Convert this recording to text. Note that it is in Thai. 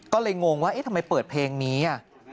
ก็เลยงงว่าเอ๊ะทำไมเปิดเพลงนี้